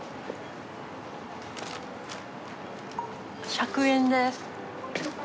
１００円です。